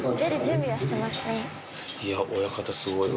いや、親方すごいわ。